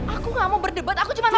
aku gak mau berdebat aku cuma sama